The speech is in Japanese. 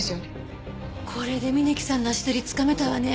これで峯木さんの足取りつかめたわね。